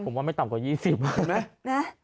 ผมว่าไม่ต่ำกว่า๒๐